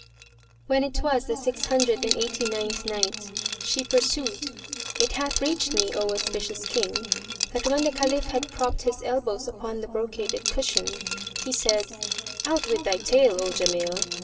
When it was the Six Hundred and Eighty ninth Night, She pursued, It hath reached me, O auspicious King, that when the Caliph had propped his elbows upon the brocaded cushion, he said, "Out with thy tale, O Jamil!"